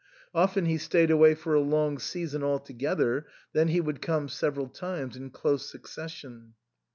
Often he stayed away for a long season altogether ; then he would come several times in close succession.